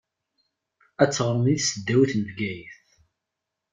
Ad teɣṛem di tesdawit n Bgayet.